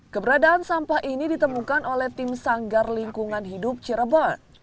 keberadaan sampah ini ditemukan oleh tim sanggar lingkungan hidup cirebon